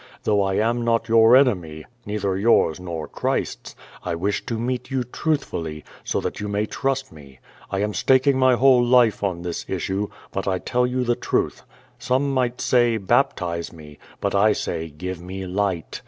Though I am not your enemy — neither yours nor Christ's — I wish to meet you truthfully, so that you may trust me. I am staking my whole life on this issue. But I tell you the truth. Some might say, 'Baptize me.* But I sa}', ^Give me light.'